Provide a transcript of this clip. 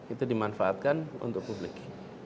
itu dimanfaatkan untuk publik